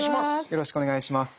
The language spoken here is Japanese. よろしくお願いします。